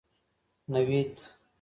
نوید